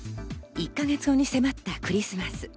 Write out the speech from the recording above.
１か月後に迫ったクリスマス。